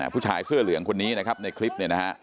ผู้ชายเสื้อเหลืองคนนี้ในคลิป